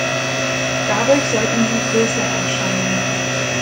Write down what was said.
Dadurch sollten sie größer erscheinen.